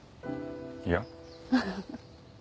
いや。